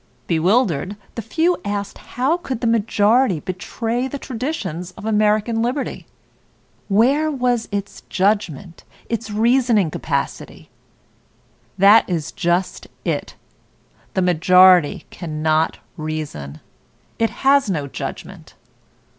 Bewildered, the few asked how could the majority betray the traditions of American liberty? Where was its judgment, its reasoning capacity? That is just it, the majority cannot reason; it has no judgment.